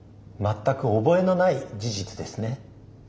全く覚えのない事実ですね。